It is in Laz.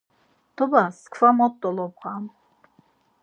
T̆obas kva mot dolobğam.